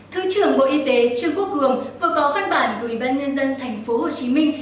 thứ trưởng bộ y tế trương quốc cường vừa có văn bản gửi ủy ban nhân dân thành phố hồ chí minh